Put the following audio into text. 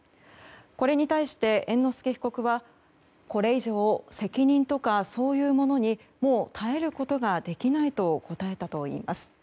これに対して猿之助被告はこれ以上責任とかそういうものにもう耐えることができないと答えたといいます。